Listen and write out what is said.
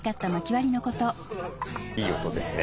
いい音ですね。